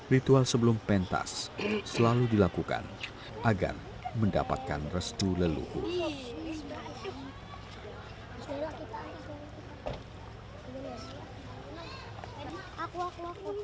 ritual sebelum pentas selalu dilakukan agar mendapatkan restu leluhur